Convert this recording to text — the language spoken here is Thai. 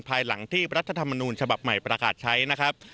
ภายหลังที่รัฐธรรมนูญฉบับใหม่ประกาศใช้นะครับ